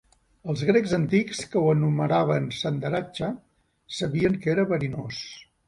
Els grecs antics, que ho anomenaven "sandaracha", sabien que era verinós.